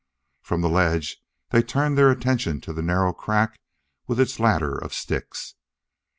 From the ledge they turned their attention to the narrow crack with its ladder of sticks.